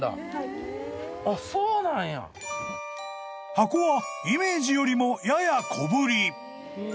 ［箱はイメージよりもやや小ぶり］